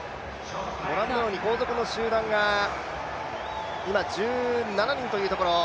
後続の集団が１７人というところ。